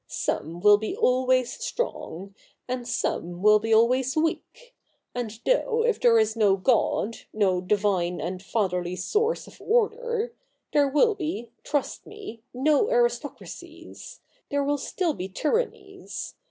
Some will be always strong, and some will be always weak ; and though, if there is no God, no divine and fatherly source of order, there will be, trust me, no aristocracies, there will still be tyrannies.